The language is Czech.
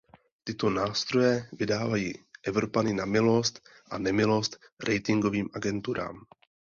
Tyto nástroje vydají Evropany na milost a nemilost ratingovým agenturám.